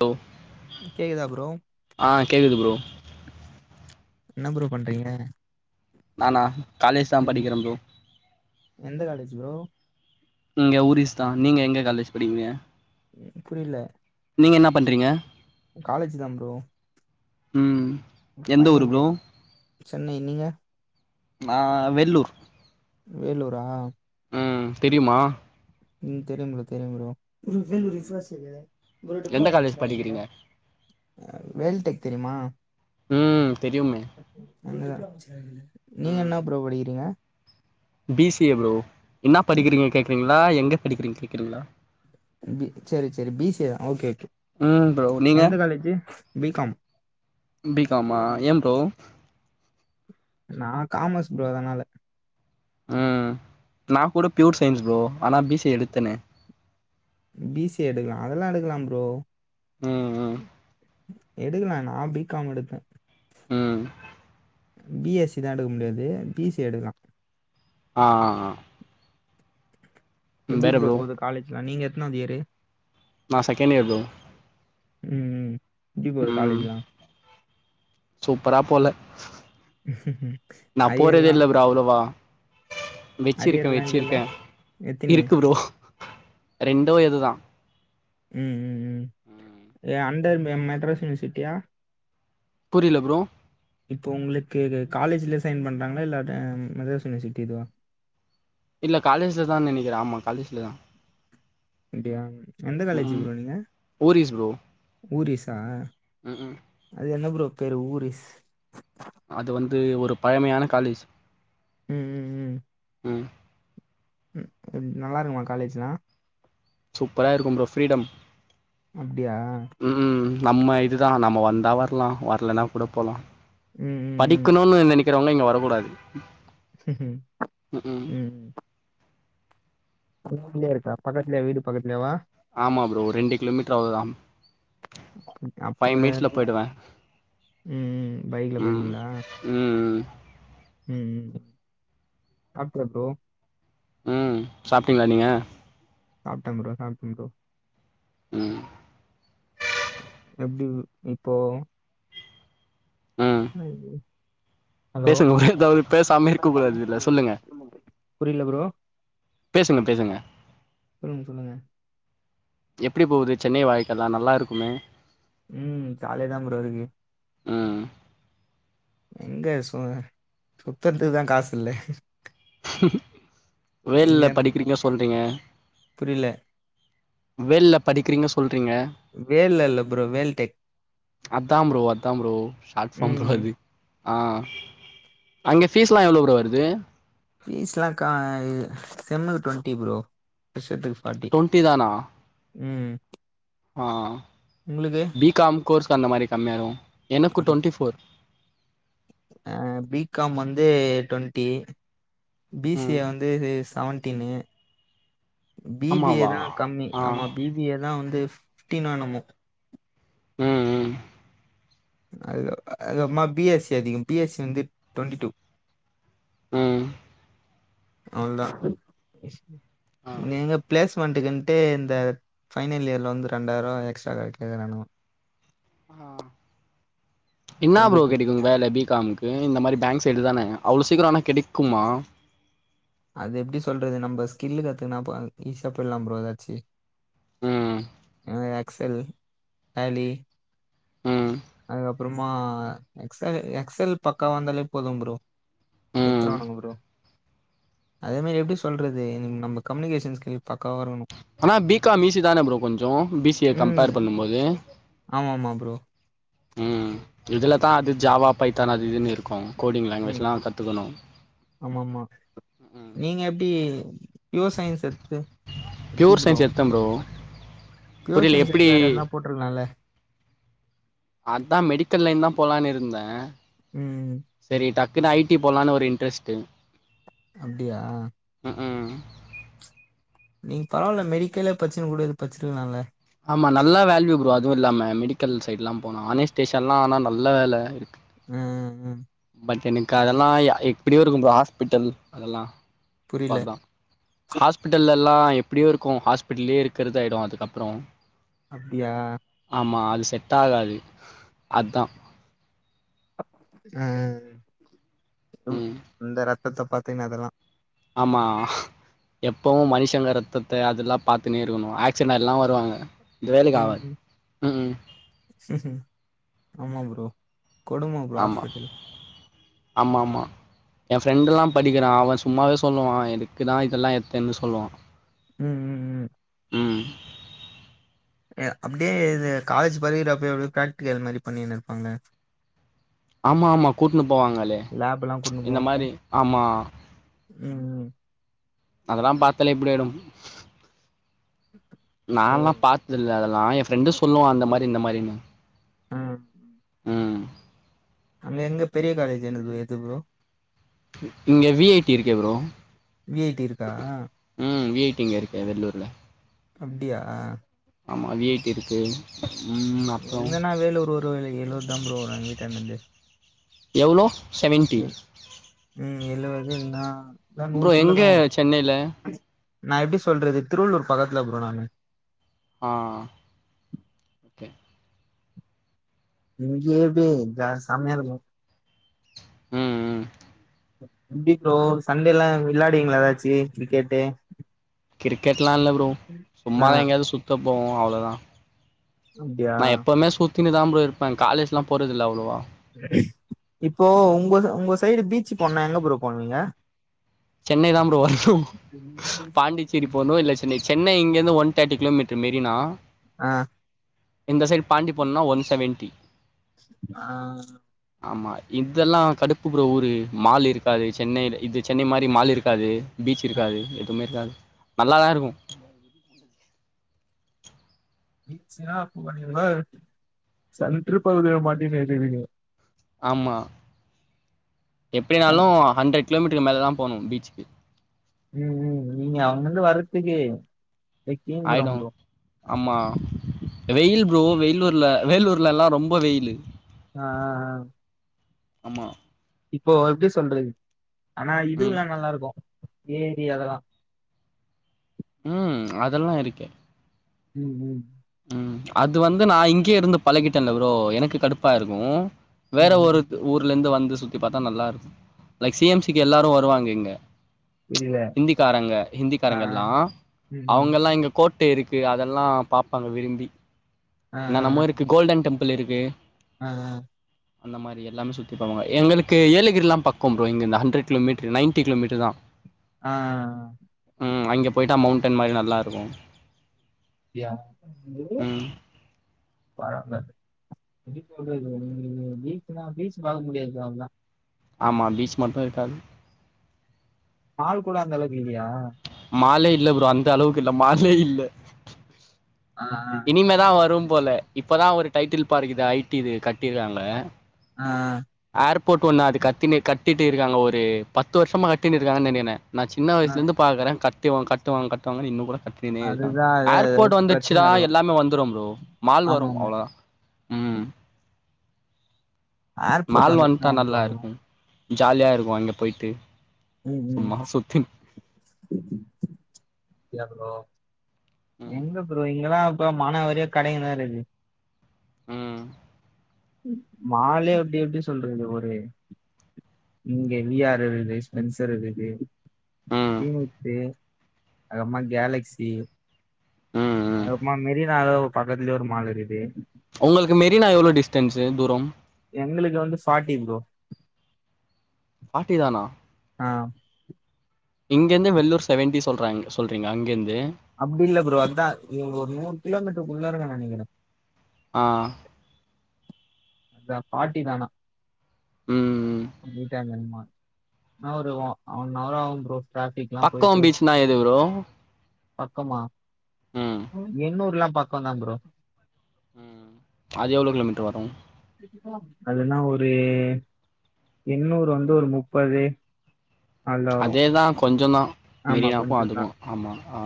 Low கேக்குதா bro கேக்குது bro என்ன ப்ரோ பண்றீங்க நானா காலேஜ்தா படிக்ற ப்ரோ லோ இங்க ஊரிஸ்தா நீங்க எங்க காலேஜ் படிகிங்க புரில நீங்க என்ன பண்றிங்க காலேஜ்தா ப்ரோ உம் பைனிங்சு சென்னை நீங்க நா வெல்லுர் வேலூரா உம் தெரியுமா உம் தெரியும் ப்ரோ தெரியும் ப்ரோ ம் ஒரு எந்த காலேஜ் படிக்கிறீங்க [unintelligible] வேல் டெக் தெரிமா ம் தெரியுமே [unintelligible] நீங்க ம் என்னா ப்ரோ படிகிறீங்க பி சி ஏ ப்ரோ என்னாப் பி படிக்கிறீங்க கேக்றீங்ளா எங்க படிக்கிறீங்க கேக்றீங்ளா பி சேரி சேரி B C A okay okay ம் ப்ரோ நீங்க எந்த காலேஜு பி காம் பி காமா ஏம் ப்ரோ நா காமஸ் ப்ரோ அதனால உம் நா கூட பியூர் சயின்ஸ் ப்ரோ ஆனா பி சி எடுத்தனே பி சி ஏ எடுக்லா அதெலா எடுக்லாம் ப்ரோ உம் உம் எடுக்கலா நா பி காம் எடுத்தே உம் பி எஸ் சி தா எடுக்க முடியாது பி சி எடுக்லா ஆ ஆ ஆ எப்டி ப்ரோ போது காலேஜ்லா நீங்க எத்னாவதியரு நா செகண்ட்டியர் ப்ரோ ம் ம் உம் சூப்பராப் போல நா போறதே அரியர்லாம் இல்ல ப்ரோ அவ்ளவா வெச்சிருக்கே அரியர்லாம் இல்லைல்ல வெச்சிருக்கே எத்தினி இருக்கு ப்ரோ ரெண்டோ எதுதா உம் உம் உம் ஏ அண்டர் மெ மெட்ராஸ் யுனிவர்சிட்டியா புரில ப்ரோ இப்போ உங்ளுக்கு காலேஜ்ல சைன் பண்றாங்ளா இல்ல ட ம் மதராஸ் யுனிவர்சிட்டி இதுவா இல்ல காலேஜ்லதா நெனைக்கிறே ஆம்மா காலேஜ்லதா அப்டியா எந்த காலேஜு ப்ரோ நீங்க ஊரிஸ் ப்ரோ ஊரிஸா ம் ம் அது என்ன ப்ரோ பேரு ஊரிஸ் அது வந்து ஒரு பழமையான காலேஜ் ம் ம் ம் ம் ம் நல்லா இருக்குமா காலேஜெல்லா சூப்பரா இருக்கும் ப்ரோ ஃப்ரீடம் அப்படியா ம் நம்ம இதுதா நம்ம வந்தா வர்லா வர்லனா கூட போலா ம் ம் ம் படிக்கணுனு நெனக்கிறவங்கள்ளா இங்க வரகூடாது ம் ரூம்லயே இருக்கா பக்கத்துலயே வீடு பக்கத்துலயேவா ஆமா ப்ரோ ஒரு ரெண்டு கிலோமீட்டர் அவ்ளதா ஃபைவ் மினிட்ஸ்ல அப்போ போயிடுவே ம். பைக்ல ம் போயிட்டீங்களா? ம் ம் ம் அப்றோ ப்ரோ ம் சாப்ட்டீங்ளா நீங்க சாப்ட்டன் ப்ரோ சாப்ட்டன் ப்ரோ ம் எப்டி இப்போ ம் அய்யோ ஹலோ பேசுங்க ஒரே ஏதாவது பேசாம இருக்க கூடாது இதுல சொல்லுங்க புரில ப்ரோ பேசுங்க பேசுங்க ம் சொல்லுங்க எப்டி போகுது சென்னை வாழ்க்கல்லா நல்லாருக்குமே ம் ஜாலியாதான் ப்ரோ இருக்கு ம் எங்க சு சுத்தறதுக்குதா காஸ் இல்ல நீங்க வேல்ல படிக்கிறீங்க சொல்றீங்க புரியல. வெள்ள படிக்கிறீங்க சொல் வேல்ல இல்ல ப்ரோ வேல்டெக் அதான் ப்ரோ அதான் ப்ரோ ஷார்ட் ஃபாம் ப்ரோ ம். அது ஆ அங்க ஃபீஸ் எல்லா எவ்ளோ ப்ரோ வருது ஃபீஸ் எல்லா கா இ செம்முக்கு டுவெண்டி ப்ரோ வருஷத்துக்கு ஃபாட்டி டுவெண்ட்டி தானா ம் ஆ உங்களுக்கு? பி காம் கோர்ஸ் அந்த மாரி கம்மியாகு எனக்கு டொவெண்ட்டி ஃபோர் அ பி காம் வந்து டொண்ட்டி பி சி ம் ஏ வந்து செவன்டீனு பி பி ஆமாவா ஏதா கம்மி ஆ ஆமா பி பி ஏதா வந்து ஃப்டீனோ என்னமோ ம் ம் அதுதா அ அம்மா பி எஸ் சி அதிகோ பி எஸ் சி வந்து டொண்டி டூ ம் அதுதா ஆ நீ எங்க ப்ளேஸ் வன்ட்டுகின்ட்டு இந்த ஃபைனல் இயர்ல வந்து ரெண்டாயரூவா எக்ஸ்ட்ரா வேற கேட்கறானுகோ ஆ என்னா டுவெண்ட்டி ப்ரோ டூ கெடைக்கு வேல பி காம்க்கு ஏ இந்த மாரி பேங்க் சைடுதான அவ்ளோ சீக்கிரோன்னா கெடைக்குமா அது எப்டி சொல்றது நம்ப ஸ்கில்லு கத்துக்கனா பா ஈஸியா போய்லான் ப்ரோ எதாச்சு ம் ஏனா எக்ஸல் டேலி ம் அதுக்கப்பறமா எக்ஸலு எக்ஸல் பக்கா வந்தாலே போதும் ப்ரோ ம் எத்ருவானுங்க ப்ரோ அதே மாரி எப்டி சொல்றது என் நமக் கம்யூனிகேஷன் ஸ்கில் பக்காவா இருக்கணு ஆனா பி காம் ஈசி தான ப்ரோ கொஞ்சோ பி சி ஏ ம் கம்பேர் பண்ணும்போது ஆமாமா ப்ரோ இதுலத்தா அது ஜாவா பைத்தான் அது இதுன்னு இருக்கு கோடிங் ம் லாங்குவேஜ்லா கத்துக்கணு ஆமா ஆமா ம் நீங்க எப்டி ப்யூர் சயின்ஸ் எடுத்து எப்டி பியூர் ப்ரோ சயின்ஸ் எடுத்தே ப்யோர் புரியல சயன்ஸ் எத்து எப்டி வேற எதுனா போட்ருக்கலால அதா மெடிக்கல் லைன்தா போலான்னு இருந்தே ம் க்கு ஐ டி போலான்னு ஒரு இன்ட்ரெஸ்ட்டு அப்டியா ம் ம் நீங் பரவால்ல மெடிக்கல்ல பட்சினு கூட இது பச்சிருலால ஆமா நல்லா வேல்யூ ப்ரோ அதுவு இல்லாம மெடிக்கல் சைட்ல்லாம் போனா ஆனே ஸ்டேஷன்ல்லா ஆனா நல்ல வேல இருக்கு ம் பட் எனக்கதல்லா எப்டியோ இருக்கு ப்ரோ ஹாஸ்பிட்டல் அதெல்லா சொ புரில அதா ஹாஸ்பிட்டல்ல எல்லா எப்படியோ இருக்கும் ஹாஸ்பிட்ல்லே இருக்குறதா ஆயிடும் அதுக்கப்புற அப்டியா செட் ஆகாது அதா ம் ம் இந்த ரத்தத்தை பாத்தேனா அதெல்லா ஆமா எப்பவும் மனுஷங்க ரத்தத்தை அதெல்லா பார்த்துன்னே இருக்கணும் ஆக்சன் எல்லாம் வருவாங்க இந்த வேலக்கு ம் ஆவாது ம். ஆமா ப்ரோ கொடும ப்ரோ ஹாஸ்பிடல் ஆமாமா என் ஃப்ரெண்ட எல்லாம் படிக்கிறான் அவன் சும்மாவே சொல்லுவா எதுக்குதா இதெல்லாம் எத்தன்னு சொல்லுவா ம் ம் ம் ம் அப்டியே இது காலேஜ் படிக்கிற அப்பய எப்ப பிராக்டிக்கல் மாதிரி பண்ணினு இருப்பாங்க ஆமா ஆமா கூட்டுன்ன போவாங்களே லேப்லா கூட்னு இந்த போவாங்களே மாரி ஆமா ம் ம் அதெல்லா பாத்தாலே எப்டி ஆயிடும் ஓ நான்ல்லா பாத்ததில அத லா என் ஃப்ரெண்டு் சொல்லுவா அந்த மாரி இந்த மாரின்னு அ ம் அங்க எங்க பெரிய காலேஜ் எது ப்ரோ இங்க வி ஐ டி இருக்கு ப்ரோ வி ஐ டி இருக்கா ம் வி ஐ டி இருக்கே வெள்ளூர்ல அப்டியா ஆமா வி ஐ டி இருக்கு ம் அப்றோ என்னன்னா வேலூர் ஒரு வேலக்கி எழுபது தான் ப்ரோ வரும் எங்க வீட்டான இருந்து எவாளோ செவன்டி இதா மீனா ப்ரோ எங்க சென்னயில நா எப்டி சொல்றது திருவள்ளூர் பக்கத்துல ப்ரோ நானு ஆ ஓகே [unintelligible] தா செம்மய இருக்கும் ம் ம் எப்டி ப்ரோ சண்டேல்லா விளாடிங்களா ஏதாச்சு கிரிக்கெட்டு கிரிக்கெட்ல்லா இல்ல ப்ரோ ஆ சும்மாதான் எங்கேயாவது சுத்த போம் அவ்ளோதா அப்டியா நா எப்பவுமே சுத்தினு தான் ப்ரோ இருப்பேன் காலேஜ்ல்லா போறது இல்ல அவ்வளவா இப்போ உங்க உங்க சைடு பீச்சு போனா எங்கப்ரோ போவீங்க சென்னை தா ப்ரோ வரணு பாண்டிச்சேரி போனு இல்ல சென்னை சென்னை இங்கர்ந்து ஒன் தேட்டி கிலோமீட்ரு மெரினா ஆ இந்த சைடு பாண்டி போனனா ஒன் செவன்ட்டி ஆ ஆமா இதெல்லா கடுப்பு ப்ரோ ஊரு மால் இருக்காது சென்னைல இது சென்னை மாரி மால் இருக்காது பீச் இருக்காது எதுமே இருக்காது நல்லாதா இருக்கு [unintelligible] ஆமா எப்படினாலு ஹண்ட்ரட் கிலோமீட்டருக்கு மேலே தா போகணு பீச்சுக்கு ம் ம் நீங்க அங்கருந்து வரத்துக்கு அப்டியே தீஞ்சுரு ஆயிடும். ப்ரோ ஆமா வெயில் ப்ரோ வெயிலூர்ல வேலூர்ல எல்லா ரொம்ப வெயிலு ஆ ஆ ஆ அமா இப்போ எப்டி சொல்றது ஆனா ம். இதுல்லா நல்லாருக்கு ஏரி அதெலா ம் அதெலா இருக்கே ம் ம் ம் அது வந்து நா இங்கயே இருந்து பழகிட்டன்ல ப்ரோ எனக்கு கடுப்பா இருக்கு வேற ம் ஒரு ம் த் ஊர்ல இருந்து வந்து சுத்தி பாத்தா நல்லாருக்கு லைக் சி எம் சி க்கு எல்லாரு வருவாங்க இங்க புரில ஹிந்திகாரங்க ஆ ஆ ஹிந்திகாரங்க எல்லா ம் ம் அவங்கெல்லா இங்க கோட் டெ இருக்கு அதெல்லா பாப்பாங்க விரும்பி ஆ என்ன நம்ம இருக்கு கோல்டன் டெம்பிள் இருக்கு ஆ ஆ அந்த மாரி எல்லாமே சுத்தி பாப்பாங் எங்களுக்கு ஏலகிரிலா பக்கம் ப்ரோ இங்கருந்து ஹண்ட்ரட் கிலோமீட்ரு நைன்ட்டி கிலோமீட்ரு தா ஆ ஆ அ ம் அங்க போய்ட்டா மௌண்டன் மாரி நல்லாருக்கு யா என்னது பாராங்காது பீச் பாக்க முடியாது நீங்க பீச்னா பீச் பாக்க முடியாது ப்ரோ அவ்ளதா ஆமா பீச் மட்டு இருக்காது மால் கூட அந்தளக்கு இலியா மாலே இல்ல ப்ரோ அந்தளவுக்கு இல்ல மாலே இல்ல ஆ இனிமேதா வரும் போல இப்பதா ஒரு டைட்டில் பார்க் இது ஐ டி இது கட்டிருகாங்க ஆ ஆ ஏர்போட் ஒண்ணு அது கட்டினு கட்டிட்டு இருக்காங்க ஒரு பத்து வருஷமா கட்டினு இருக்காங்கனு நெனைக்கற நா சின்ன ஆ வயுசுல இருந்து பாக்கற கத்திவா கட்டுவாங்க கட்டுவாங்கன் இன்னுங்கூட கத்தினே இருக்காங் அதுதா அது ஏர்போட் ஏதாச்சு வந்ருச்சுனா பிரச்சன இருக்கு எல்லாமே வந்துரு ப்ரோ மால் வரு ஆமா ஆமா அவ்ளதா ஏர்போர்ட் மால் வந்துச்சுன்னா வன்ட்டா வந்துருவாங்க நல்லாருக்கு ஜாலியா இருக்கு அங்க போய்ட்டு ம் ம் ஏ ப்ரோ ம் எங்க ப்ரோ இங்கலா இப்ப மானாவரியா கடைங்கதா இருக்கு ம் மாலே அப்டி எப்டி சொல்றது ஒரு இங்க [unintelligible] ஸ்பென்சர் இருக்கு ம் ஃபீனிக்ஸு அதுகப்மா கேலக்சி ம் ம் அப்றமா மெரினா தா பக்கத்லயே ஒரு மாலிருக்குது உங்களுக்கு மெரினா எவ்ளோ டிஸ்டன்ஸு தூரம் எங்ளுக்கு வந்து ஃபாட்டி ப்ரோ ஃபாட்டி தானா ஆ இங்கிருந்து வெள்ளூர் செவன்ட்டி சொல்றாங்க சொல்றிங்க அங்கிர்ந் அப்டி இல்ல ப்ரோ அதா ஒரு நூறு கிலோமீட்ருக்குள்ளாரதா நெனைக்கற ஆ அதா பாட்டி தானா ம் ம் வந்டாங்ள மா என்ன ஒரு ஓ அவரு நாளாகும் ப்ரோ டிராபிக்லா போயிட்டு பக்கோம் பீஸ்னா எது ப்ரோ பக்கமா ம் எண்ணூர்லா பக்கந்தா ப்ரோ ம் அது எவ்ளோ கிலோமீட்டர் வரு அதுனா ஒரு எண்ணூறு வந்து ஒரு முப்பது அதுல வரும் அதேதா கொஞ்சதா ஆமா மெரினாக்கு கொஞ்சந்தா அதுக்கு ஆமா அ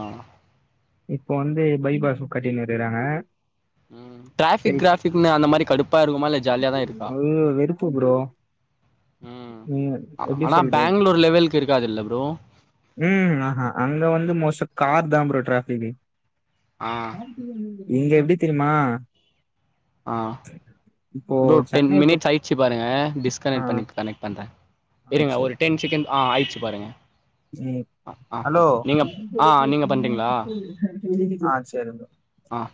இப்போ வந்து பைபாஸு கட்டினீருக்காங்க ம் டாஃபிக் கிராஃபிக்னு அந்த மாரி கடுப் ப்பா இருக்குமா இல்ல ஜாலியாத இருக்கா அது வெறுப்பு ப்ரோ ம் எப்டி ஆனா சொல்றது பெங்களூர் லெவல்கு இருக்காது இல்ல ப்ரோ ம் ஆஹா அங்க வந்து மோசப் கார் தா ப்ரோ ட்ராஃப்க்கு ஆ இங்க எப்டி தெரியுமா ஆஹ் இப்போ இதோ டென் சென்னை மினிட்ஸ் பொறுத் ஆயிடுச்சு பாருங்க ஆ டிஸ்கனெட் பண்ணிக் கனெக்ட் பண்றே ஆ இருங்க ஒரு சரி டென் செகண்ட் ஆ ஆயிச்சு பாருங்க ம் ஆ ஹலோ ஓகே நீங்க ஆ நீங்க பண்றீங்களா ஆ செரி ப்ரோ ஆஹ்